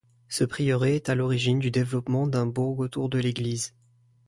Ce prieuré est à l'origine du développement d'un bourg autour de l'église.